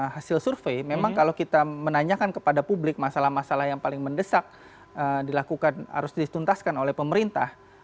hasil survei memang kalau kita menanyakan kepada publik masalah masalah yang paling mendesak dilakukan harus dituntaskan oleh pemerintah